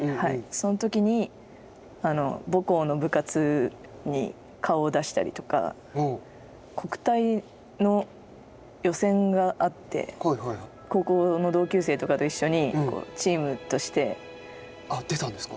そのときに母校の部活に顔を出したりとか、国体の予選があって、高校の同級生とかと一緒にチーム出たんですか？